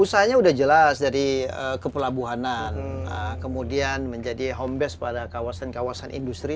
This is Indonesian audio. usahanya sudah jelas dari kepelabuhanan kemudian menjadi home base pada kawasan kawasan industri